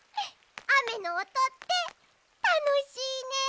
あめのおとってたのしいね。